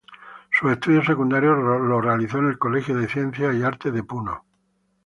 Su estudios secundarios los realizó en el Colegio de Ciencias y Artes de Puno.